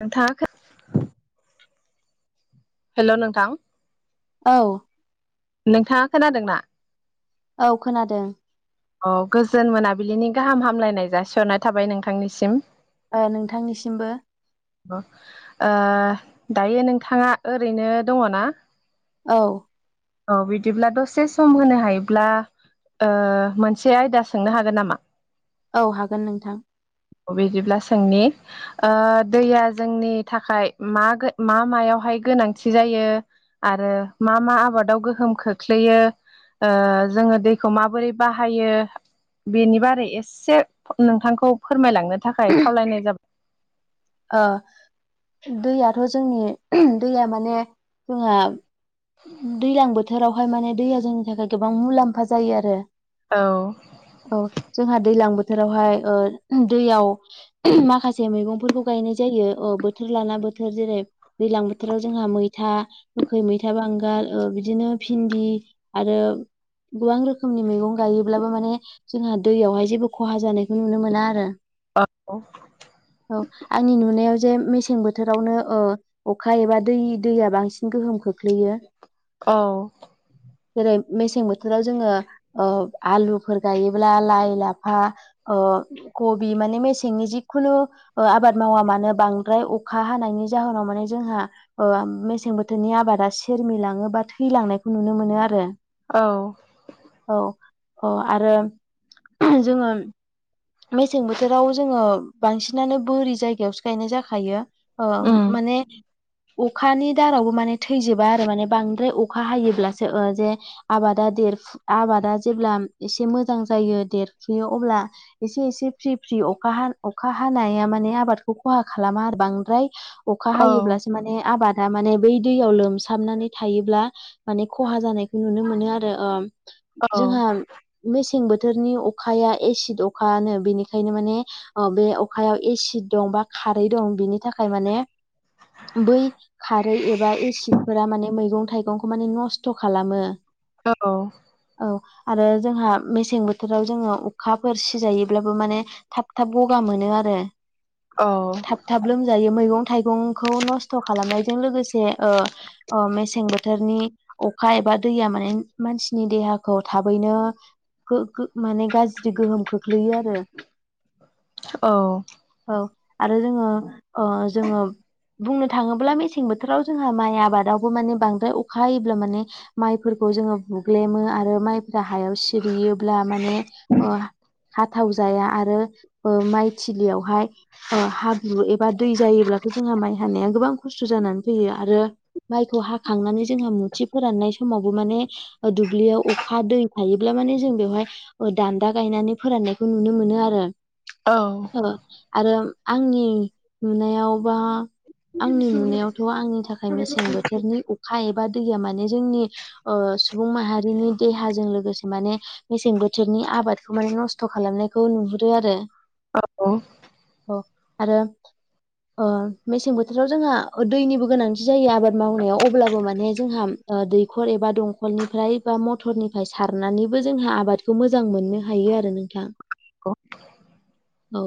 नोंथाङा [unintelligible] हेल' नोंथां। औ। नोंथाङा खोनादोंना? औ खोनादों। औ गोजोन मोनाबिलिनि गाहाम हामलायनाय जासिहरनाय थाबाय नोंथांनिसिम। ओ नोंथांनिसिमबो। ओ दायो नोंथाङा ओरैनो दङ' ना? औ। औ बिदिब्ला दसे सम होनो हायोब्ला ओ मोनसे आयदा सोंनो हागोन नामा? औ हागोन नोंथां। बिदिब्ला सोंनि ओ दैया जोंनि थाखाय [unintelligible] मा मायावहाय गोनांथि जायो आरो मा मा आबादाव गोहोम खोख्लैयो ओ जोङो दैखौ माबोरै बाहायो बेनि बारै एसे नोंथांखौ फोरमायलांनो थाखाय खावलायनाय जाब ओ दैयाथ' जोंनि दैया माने जोंहा दैलां बोथोरावहाय माने दैया जोंनि थाखाय गोबां मुलाम्फा जायो आरो औ औ जोंहा दैलां बो थोरावहाय ओ दैयाव [unintelligible] माखासे मैगंफोरखौ गायनाय जायो अ बोथोर लाना बोथोर जेरै दैलां बोथोराव जोंहा मैथा गोखै मैथा बा बांगाल ओ बिदिनो भिन्दि आरो गोबां रोखोमनि मैगं गायोब्लाबो माने जोंहा दैयावहाय जेबो खहा जानायखौ नुनो मोना आरो औ [unintelligible] आंनि नुनायाव जे मेसें बोथोरावनो ओ अखा एबा दै दैया बांसिन गोहोम खोख्लैयो। औ जेरै मेसें बोथोराव जोङो ओ आलुफोर गायोब्ला लाइ लाफा ओ कबि माने मेसेंनि जिखुनु ओ आबाद मावा मानो बांद्राय अखा हानायनि जाहोनाव माने जोंहा ओ मेसें बोथोरनि आबाद रा सेरमिलाङो बा थैलांनायखौ नुनो मोनो आरो औ औ औ आरो जोङो मेसें बोथोराव जोङो बांसिनानो बोरि जायगायावसो गायनाय जाखायो ओ उम माने अखानि दाहारावबो माने थैजोबा आरो माने बांद्राय अखा हायोब्लासो ओ जे आबादा देरफु आबादा जेब्ला एसे मोजां जायो देरफुयो अब्ला एसे एसे फ्रि फ्रि अखा हा अखा हानाया माने आबादखौ खहा खालामा आरो बांद्राय अखा औ हायोब्लासो माने आबादा माने बै दैयाव लोमसाबनानै थायोब्ला माने खहा जानायखौ नुनो मोनो आरो ओम औ जोंहा मेसें बो थोरनि अखाया एसिद अ खानो बेनिखायनो माने बे अखायाव एसिड दं बा खारै दं बिनि थाखाय माने बै खारै एबा एसिडफोरा माने मैगं थाइगंखौ माने नस्त' खालामो। [unintelligible] औ आरो जोंहा मेसें बोथोराव जोङो अखाफोर सिजायोब्लाबो माने थाब थाब गगा मोनो आरो औ थाब थाब लोमजायो मैगं थाइगंखौ नस्त' खालामनायजों लोगोसे बा दैया माने मानसिनि देहाखौ थाबैनो गो गो माने गाज्रि गोहोम खो ख्लैयो आरो औ अ आरो जोङो ओ जोङो बुंनो थाङोब्ला मेसें बोथोराव जोंहा माइ आबादावबो माने बांद्राय अखा हायोब्ला माने माइफोर खौ जोङो बुग्लेमो आरो माइफोरा हायाव सिरियोब्ला माने ओ हा थाव जाया आरो ओ माइ थलियावहाय ओ हाब्रु एबा दै जायोब्लाथ' जों माइ हानाया गोबां खस्थ' जानान फैयो आरो माइखौ हाखांनानै जोंहा मुथि फोराननाय समाव माने ओ दुब्लियाव अखा दै थायोब्ला माने जों बेवहाय ओ दानदा गायनानै फोराननायखौ नुनो मोनो आरो औ ओ आरो आंनि नुनायावबा आंनि नुनायावथ' आंनि थाखाय मेसें बोथोरनि अखा एबा दैया माने जोंनि ओ सुबुं माहारिनि देहाजों लोगोसे माने मेसें बोथोरनि आबादखौ माने नस्थ' खालामनायखौ नुहुरो आरो औ अ आरो ओ मेसें बोथोराव जोंहा दैनिबो गोनां थि जायो आबाद मावनायाव अब्लाबो माने जोंहा ओ दैखर एबा दंखलनिफ्राय बा मथरनिफ्राय सारनानैबो जोंहा आबादखौ मोजां मोननो हायो आरोना [unintelligible] औ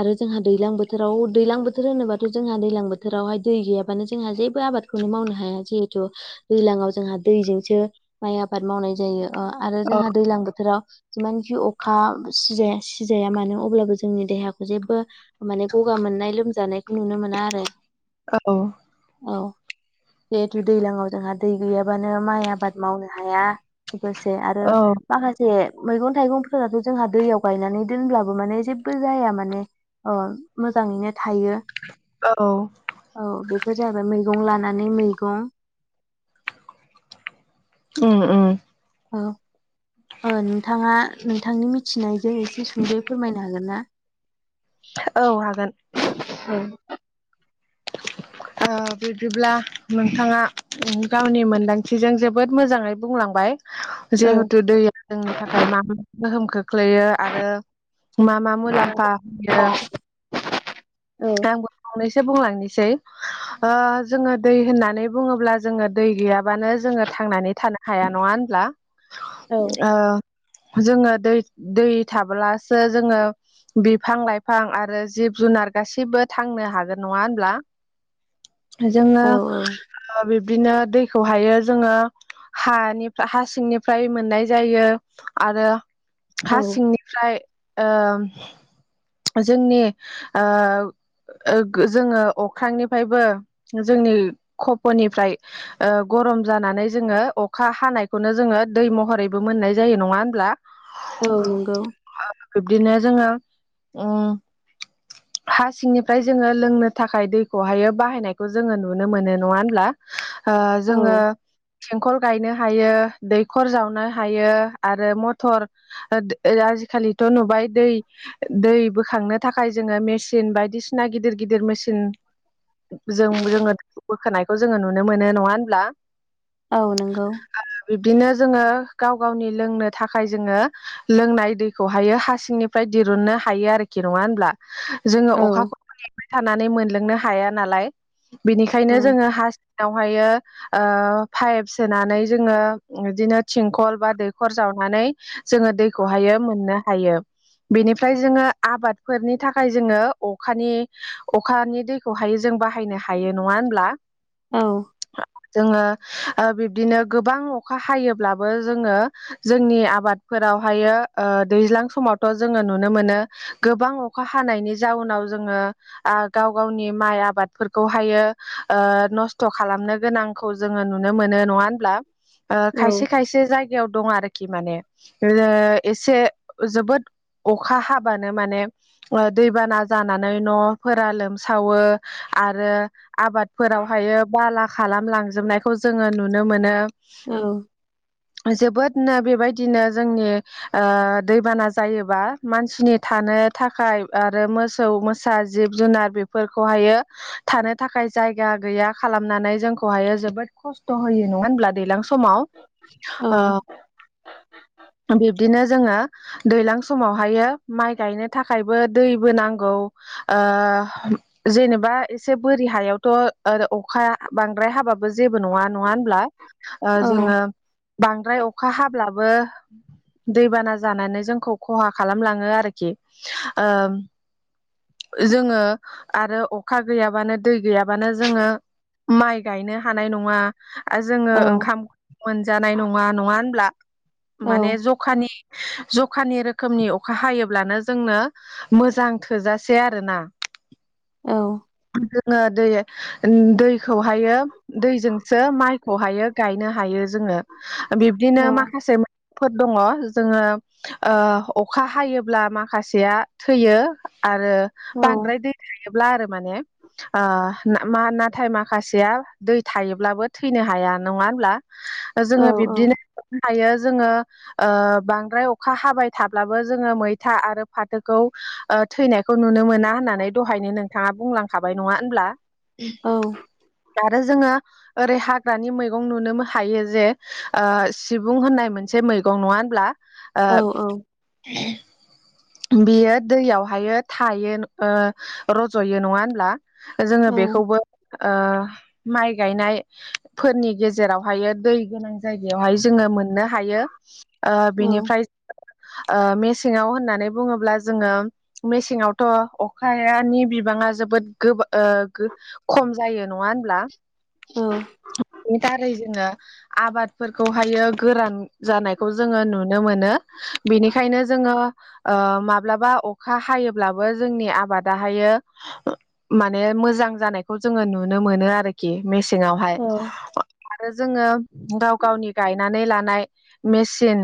आरो जोंहा दैलां बोथोराव दैलां बोथोर होनोबाथ' जोंहा दैलां बोथोरावहाय दै गैयाबानो जोंहा जे जेबो आबादखौनो मावनो हाया जिहेथु दैलाङाव जोंहा दैजोंसो माइ आबाद मावनाय जायो । अ आरो जोंहा दैलां बोथोराव जिमानखि अखा सिजाया सिजाया मानो अब्लाबो जोंनि देहाखौ जेबबो माने गगा मोननाय लोमजानायखौ नुनो मो ना आरो औ औ जिहेतु दैलाङाव जोंहा दै गैयाबानो माइ आबाद मावनो हाया। गोसे आरो माखासे मैगं थाइगंफोराथ' जोंहा दैयाव गायनानै दोनब्लाबो माने जेबबो जाया माने अ मोजाङैनो थायो। औ औ बेफोर जाहैबाय मैगं लानानै मैगं। उम उम ओ ओ नोंथाङा नोंथांनि मिथिनायजों एसे सुंदयै फोरमायनो हागोनना? थ औ बिदिब्ला नोंथाङा गावनि मोनदांथिजों जोबोद मोजाङै बुंलांबाय औ जिहेथु दैया जोंनि थाखाय मा मा गोहोम खो ख्लैयो आरो मा मा मुलाम्फा होयो औ आंबो खावनैसो बुंलांनिसै ओ जोङो दै होननानै बुङोब्ला जोङो दै गैयाबानो जोङो थांनानै थानो हाया नङा होनब्ला। ओ जोङो दै दै थाब्लासो जोङो बिफां लाइफां आरो जिब जुनार गासिबो थांनो हागोन नङा होनब्ला। जोङो औ ओ बिब्दिनो दैखौहायो जोङो हानिफ्रा हा सिंनिफ्राय मोननाय जायो आरो हा औ सिंनिफ्राय ओ जोंनि ओ ओ गो जोङो अख्रांनिफ्रायबो जोंनि खफ'निफ्राय ओ ग रम जानानै जोङो अखा हानायखौनो जोङो दै महरैबो मोननाय जायो नङा होनब्ला औ नंगौ बिब्दिनो जोङो उम हा सिंनिफ्राय जोङो लोंनो थाखाय दैखौहायो बाहायनायखौ जोङो नुनो मोनो नङा होनब्ला। ओ औ जोङो गेंखल गायनो हायो दैखर जावनो हायो आरो मथर आजिखालिथ नुबाय दै दै बोखांनो थाखाय जोङो मेसिन बायदिसिना गिदिर गिदिर मेसिन जों जोङो बोखोनायखौ जोङो नुनो मोनो नङा होनब्ला? औ नोंगौ। बिदिनो जोङो गाव गावनि लोंनो थाखाय जोङो लोंनाय दैखौहायो हा सिंनिफ्राय दिरुननो हायो आरोखि नङा होनब्ला जोङो औ अखाखौ [unintelligible] थानानै मोनलोंनो हाया नालाय। औ बेनिखायनो जोङो हासिंहाव हायो ओ पाइप सोनानै जोङो बिदिनो थिंखल बा दैखर जावनानै जोङो दैखौहायो मोननो हायो बेनिफ्राय फ्राय जोङो आबादफोरनि थाखाय जोङो अखानि अखानि दैखौहाय जों बाहायनो हायो नङा होनब्ला। औ जोङो बिब्दिनो गोबां अखा हायोब्लाबो जोङो जोंनि आबादफो फोराव हायो ओ दैज्लां समावथ जोङो नुनो मोनो गोबां अखा हानायनि जाउनाव जोङो गाव गावनि माइ आबादफो खौ हायो ओ नस्थ खालामनो गोनांखौ जोङो नुनो मोनो नङा होनब्ला। ओ औ खायसे खायसे जायगायाव दं आरोखि माने ओ एसे जोबोद अखा हाबानो माने ओ दैबाना जानानै नफोरा लोमसावो आरो आबादफोराव हाय बाला खालामलां जोबनायखौ जोङो नुनो मोनो। औ नो बेबायदिनो जोंनि ओ दैबाना जायो। बा मानसिनि थानो थाखाय आरो मोसौ मोसा जिब जुनार बेफोरखौहाययो थानो थाखाय जायगा गैया खालामनानै जोंखौहायो जोबोद खस्थ होयो नङा होन ब्ला दैज्लां समाव औ ओ बिब्दिनो जोङो दैलां स समाव हायो माइ गायनो थाखायबो दैबो नांगौ ओ जेनेबा एसे बोरि हायावथ ओ अखा बांद्राय हाबाबो जेबो नङा नङा होनब्ला? औ जोङो बांद्राय अखा हाब्लाबो दै बाना जानानै जोंखौ खहा खालाम लाङो आरोखि ओ जोङो आरो अखा गैया बानो दै गैयाबानो जोङो माइ गायनो हानाय नङा । ओ जोङो औ ओंखाम मोनजानाय नङा नङा होनब्ला औ माने जखानि जखानि रोख रोखोमनि अखा हायोब्लानो जोंनो मोजां थोजासे आरोना । औ । जोङो दै दैखौहायो दैजोंसो माइखौहायो गायनो हायो । जोंनो औ बिब्दिनो माखासे [inaudible] फोर दङ जोङो ओ अखा हायोब्ला माखासेया थैयो आरो औ बांद्राय दै थायोब्ला आरो माने ओ मा नाथाय माखासेया दै थायोब्लाबो थैनो हाया नङा होनब्ला? औ जोङो औ बिब्दिनो हायो जोङो ओ बांद्राय अखा हाबाय थाब्लाबो जोङो मैथा आरो फाथोखौ ओ थैनायखौ नुनो मोना होननानै दहायनो नोंथाङा बुंलां खाबाय नङा होनब्ला औ आरो जोङो ओरै हाग्रानि मैगं नुनोबो हायो जे ओ सिबुं होननाय मोनसे मैगं नङा होनब्ला? ओ औ औ बियो दैयावहायो थायो ओ रजयो नङा होनब्ला? औ जोङो बेखौबो ओ माइ गायनायफोरनि गेजे जेरावहायो दै गोनां जायगायावहाय जोङो मोननो हायो ओ औ बेनिफ्राय ओ मेसेंङाव होननानै बुङोब्ला जोङो मेसेङावथ' अखायानि बिबां ङा जोबोद गो ओ गो खम जायो नङा होनब्ला बेनि दारै जोंङो आबादफोरखौहायो गोरान जानायखौ जोंङो नुनो मोनो । बेनिखायनो जोंङो ओ माब्लाबा अखा हायोब्लाबो जोंनि आबादाहायो माने मोजां जानायखौ जोंङो नुनो मोनो आरोखि मेसेंङावहाय । आरो जोंङो गाव गावनि गायनानै लानाय मेसिन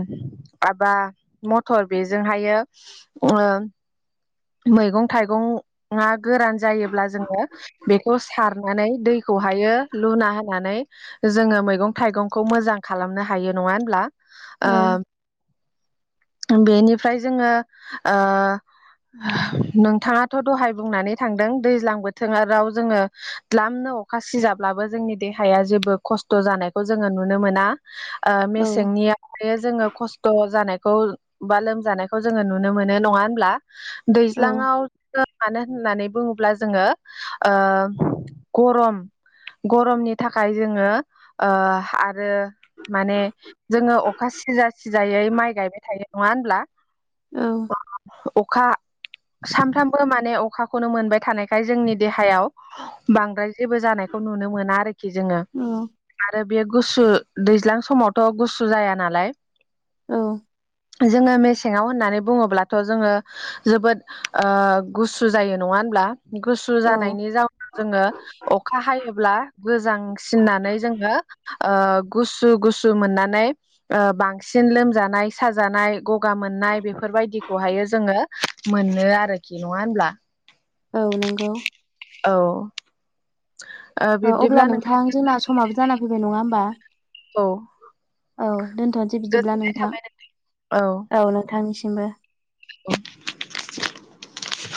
एबा मथर बेजोंहायो ओ मैगं थाइगंङा गोरान जायोब्ला जोङो बेखौ सारनानै दै खौहायो लुना होनानै जोंङो मैगं थाइगंखौ मोजां खालामनो हायो नंङा होनब्ला? ओ बेनिफ्राय जोंङो ओ नोंथांङाथ' दहाय बुंनानै थांदों दैज्लां बोथोर राव जोङो ग्लाम अखा सिजाब्लाबो जोंनि देहाया जेबो खस्थ' जानायखौ जोंङो नुनो मोना । ओ औ मेसेंनिया हले जोङो खस्थ' जानाय खौ बा लोमजानायखौ जोङो नुनो मोनो नङा होनब्ला दैज्लाङाव मानो होननानै बुङोब्ला जोङो ओ गरम गरमनि थाखाय जोंङो ओ आरो माने जोंङो अखा सि सिजा सिजायै माइ गायबाय थायो नङा होनब्ला अखा सानफ्रोमबो माने अखाखौनो मोनबाय थानायखाय जोंनि देहायाव बांद्राय जेबो जानायखौ नुनो मोना आरोखि खि जोंङो आरो बे गुसु दैज्लां समावथ' गुसु जाया नालाय । औ । जोंङो मेसेंङाव होननानै बुङोब्लाथ' जोंङो जोबोद ओ गुसु जायो नङा होनब्ला? गुसु औ जानायनि जाउनाव जोङो अखा हायोब्ला गोजांसिननानै जोङो ओ गुसु गुसु मोननानै ओ बांस सिन लोमजानाय स साजानाय गगा मोननाय बेफोरबायदिखौहायो जोङो मोनो आरोखि नङा होमब्ला? औ नंगौ। औ ओ अब्ला नोंथां जोंना समाबो जाना फैबाय नङा होमबा? औ औ दोनथ'नोसै बिदिब्ला गोजोननाय नोंथां थाबाय नों औ नोंथांनिसिमबो औ [unintelligible]